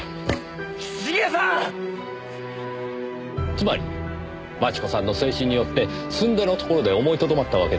つまり真智子さんの制止によってすんでのところで思いとどまったわけですね？